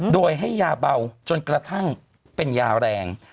โดยให้ยาเบาจนกระทั่งเป็นยาแรง